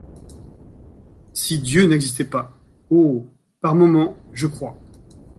Si Dieu n’existait pas ! Oh ! par moments je crois